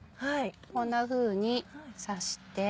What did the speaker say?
こんなふうに刺して。